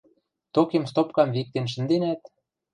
Токем стопкам виктен шӹнденӓт: